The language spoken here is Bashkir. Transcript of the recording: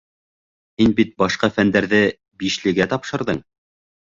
Һин бит башҡа фәндәрҙе «бишле»гә тапшырҙың.